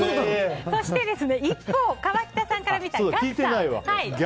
そして、一方川北さんから見たガクさん